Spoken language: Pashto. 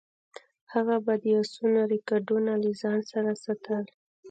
هغه به د اسونو ریکارډونه له ځان سره ساتل.